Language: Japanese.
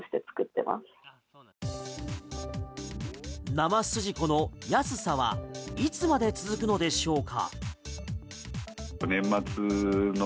生すじこの安さはいつまで続くのでしょうか？